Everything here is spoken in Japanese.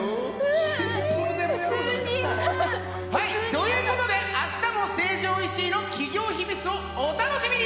普通に嫌だ。ということで明日も成城石井の企業秘密をお楽しみに！